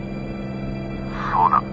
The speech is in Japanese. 「そうだ」。